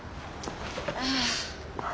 ああ。